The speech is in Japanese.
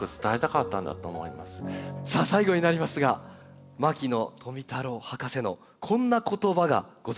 最後になりますが牧野富太郎博士のこんな言葉がございます。